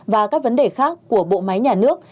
và các vấn đề khác của bộ máy nhà nước